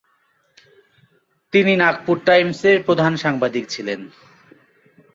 তিনি নাগপুর টাইমসের প্রধান সাংবাদিক ছিলেন।